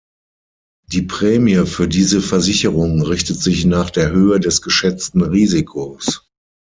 Die Prämie für diese Versicherung richtet sich nach der Höhe des geschätzten Risikos.